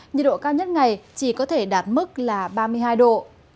nhiệt độ cao nhất ngày chỉ có thể đạt mức là ba mươi hai độ